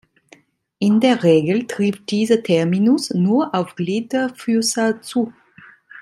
In der Regel trifft dieser Terminus nur auf Gliederfüßer zu.